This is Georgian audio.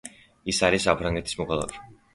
ის არის საფრანგეთის მოქალაქე.